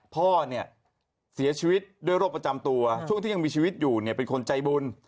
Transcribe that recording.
พ่อเนี่ยเสียชีวิตด้วยโรคประจำตัวช่วงที่ยังมีชีวิตอยู่เนี่ยเป็นคนใจบุญ